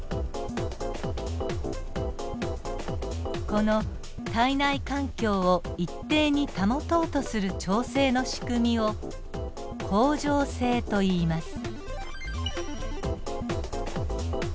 この体内環境を一定に保とうとする調整の仕組みを恒常性といいます。